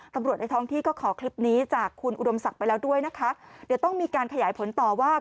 ในท้องที่ก็ขอคลิปนี้จากคุณอุดมศักดิ์ไปแล้วด้วยนะคะเดี๋ยวต้องมีการขยายผลต่อว่า